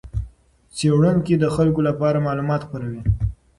څېړونکي د خلکو لپاره معلومات خپروي.